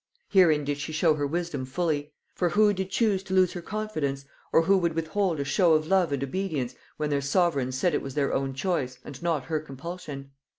Herein did she show her wisdom fully; for who did choose to lose her confidence; or who would withhold a show of love and obedience, when their sovereign said it was their own choice, and not her compulsion?